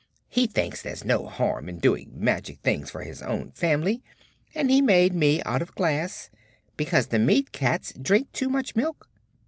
He thinks there's no harm in doing magic things for his own family, and he made me out of glass because the meat cats drink too much milk.